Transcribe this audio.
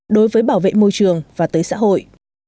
đối với bảo vệ môi trường và tới xã hội